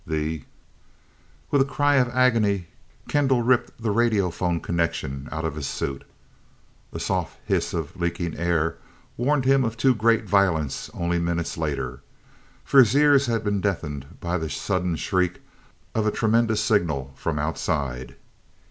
The With a cry of agony, Kendall ripped the radio phone connection out of his suit. A soft hiss of leaking air warned him of too great violence only minutes later. For his ears had been deafened by the sudden shriek of a tremendous signal from outside!